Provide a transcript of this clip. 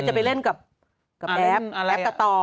จะไปเล่นกับแอฟแอปกะตอ